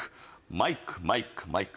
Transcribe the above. マイクマイクマイク。